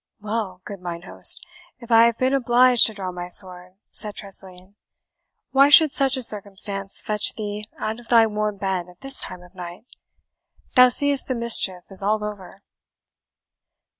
"Well, good mine host, if I have been obliged to draw my sword," said Tressilian, "why should such a circumstance fetch thee out of thy warm bed at this time of night? Thou seest the mischief is all over."